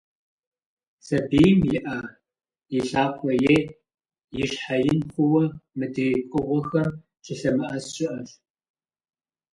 Сабийм и Ӏэ, и лъакъуэ е и щхьэ ин хъууэ, мыдрей пкъыгъуэхэм щылъэмыӀэс щыӀэщ.